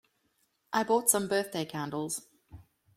I bought some birthday candles.